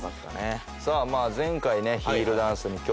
さあ前回ね。